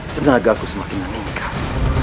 tenagaku semakin meningkat